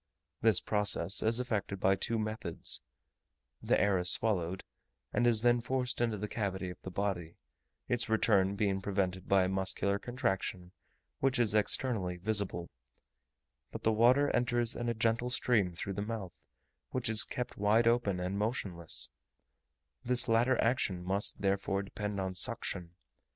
This process is effected by two methods: the air is swallowed, and is then forced into the cavity of the body, its return being prevented by a muscular contraction which is externally visible: but the water enters in a gentle stream through the mouth, which is kept wide open and motionless; this latter action must, therefore, depend on suction.